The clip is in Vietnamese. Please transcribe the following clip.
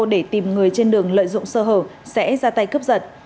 để tìm người trên đường lợi dụng sơ hở sẽ ra tay cướp giật